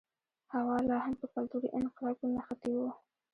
هوا لا هم په کلتوري انقلاب کې نښتی و.